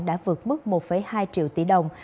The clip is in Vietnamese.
đã vượt mức một hai triệu tỷ đồng